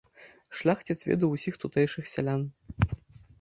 Шляхціц ведаў усіх тутэйшых сялян.